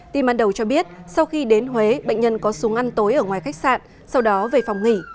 tìm an đầu cho biết sau khi đến huế bệnh nhân có xuống ăn tối ở ngoài khách sạn sau đó về phòng nghỉ